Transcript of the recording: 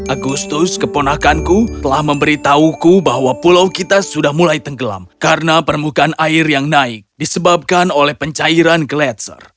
agustus keponakanku telah memberitahuku bahwa pulau kita sudah mulai tenggelam karena permukaan air yang naik disebabkan oleh pencairan glaatser